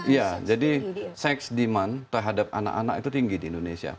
ya jadi seks demand terhadap anak anak itu tinggi di indonesia